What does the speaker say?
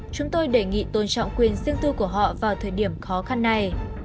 chúng tôi đề nghị tôn trọng quyền riêng tư của họ vào thời điểm khó khăn này